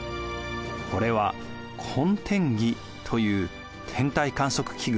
これは渾天儀という天体観測器具。